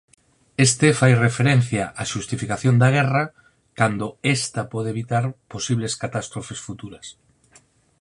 Este fai referencia á xustificación da guerra cando esta pode evitar posibles catástrofes futuras.